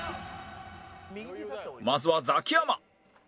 まずはザキヤマ